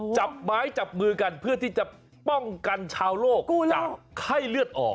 จับไม้จับมือกันเพื่อที่จะป้องกันชาวโลกจากไข้เลือดออก